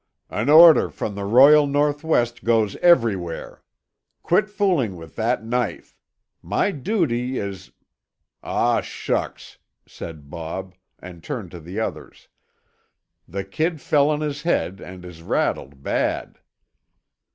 "An order from the Royal North West goes everywhere. Quit fooling with that knife. My duty is " "Oh, shucks!" said Bob, and turned to the others. "The kid fell on his head and is rattled bad."